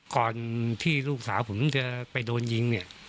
ก่อนที่ลูกสาวผมจะไปโดนยิงเนี่ย